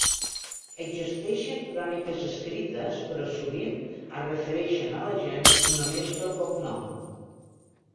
Existeixen cròniques escrites però sovint es refereixen a la gent només pel cognom.